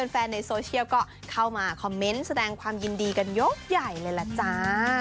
ในโซเชียลก็เข้ามาคอมเมนต์แสดงความยินดีกันยกใหญ่เลยล่ะจ้า